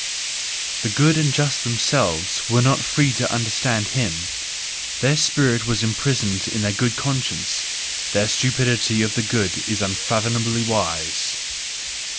The good and just themselves were not free to understand him; their spirit was imprisoned in their good conscience. The stupidity of the good is unfathomably wise.